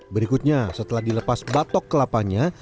berikutnya setelah dilepas batok kelapanya